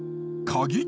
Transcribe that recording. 鍵？